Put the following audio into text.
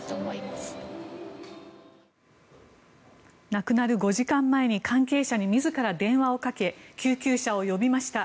亡くなる５時間前に関係者に自ら電話をかけ救急車を呼びました